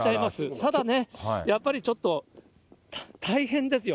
ただね、やっぱりちょっと、大変ですよ。